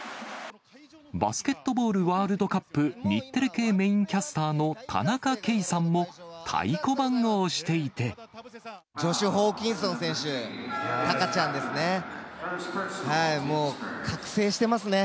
バスケットボールワールドカップ日テレ系メインキャスターの田中圭さんも、ジョシュ・ホーキンソン選手、タカちゃんですね、もう覚醒してますね。